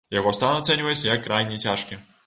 Яго стан ацэньваецца як крайне цяжкі.